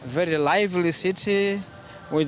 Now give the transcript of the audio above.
kota yang sangat berkembang